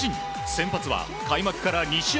先発は、開幕から２試合